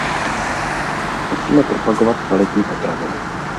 Musíme propagovat kvalitní potraviny.